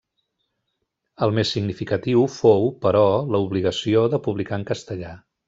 El més significatiu fou, però, l'obligació de publicar en castellà.